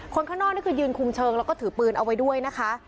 คนข้างนอกนี่คือยืนคุมเชิงแล้วก็ถือปืนเอาไว้ด้วยนะคะ